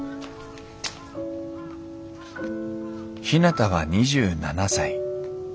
ひなたは２７歳。